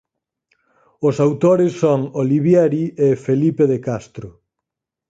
Os autores son Olivieri e Felipe de Castro.